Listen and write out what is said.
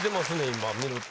今見ると。